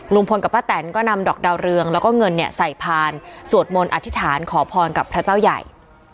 ลุงพลกับป้าแตนก็นำดอกดาวเรืองแล้วก็เงินเนี่ยใส่พานสวดมนต์อธิษฐานขอพรกับพระเจ้าใหญ่